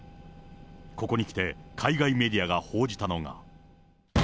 ここに来て海外メディアが報じたのが。